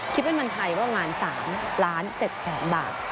คิดเป็นวันไทยว่างวาน๓ล้าน๗แสนบาท